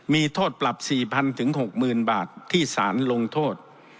มีโทษปรับสี่พันถึงหกหมื่นบาทที่สารลงโทษ